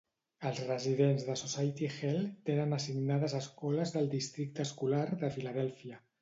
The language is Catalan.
Els residents de Society Hill tenen assignades escoles del Districte Escolar de Filadèlfia.